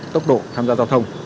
tốc độ tham gia giao thông